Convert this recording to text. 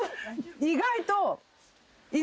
意外と。